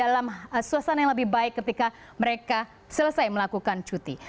dan juga membangkitkan keadaan yang lebih baik ketika mereka selesai melakukan cuti